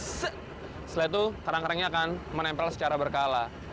setelah itu kerang kerangnya akan menempel secara berkala